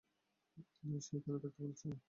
না, সে এখানে থাকতে বলেছে।